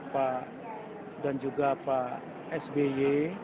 pak dan juga pak sby